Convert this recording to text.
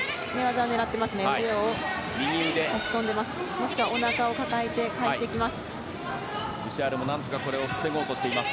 もしくは、おなかを抱えて返していきます。